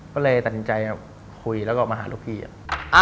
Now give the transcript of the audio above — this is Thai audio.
ก็เลยตัดในใจกับคุยแล้วก็มาหาลูกพี่อะ